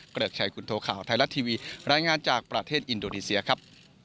เกริกชัยคุณโทข่าวไทยรัฐทีวีรายงานจากประเทศอินโดนีเซียครับ